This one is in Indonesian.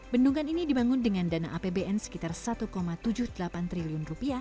bendungan ini dibangun dengan dana apbn sekitar rp satu tujuh puluh delapan triliun